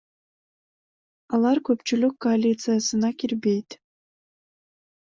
Алар көпчүлүк коалициясына кирбейт.